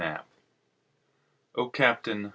O CAPTAIN!